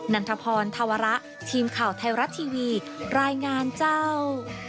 ันทพรธวระทีมข่าวไทยรัฐทีวีรายงานเจ้า